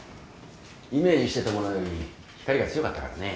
イメージしてたものより光が強かったからね。